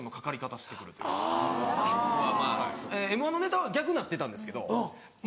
『Ｍ−１』のネタは逆になってたんですけど前